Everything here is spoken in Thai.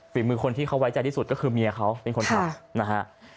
มือคนที่เขาไว้ใจที่สุดก็คือเมียเขาเป็นคนขับนะฮะ